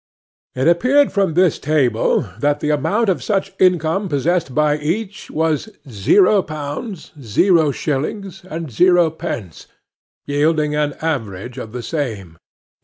It appeared from this table, that the amount of such income possessed by each was 0 pounds, 0 shillings, and 0 pence, yielding an average of the same.